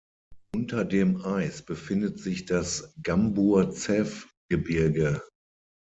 Unter dem Eis befindet sich das Gamburzew-Gebirge.